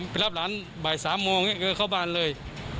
ไปรับร้านบ่ายสามโมงเนี่ยไปเข้าบ้านเลย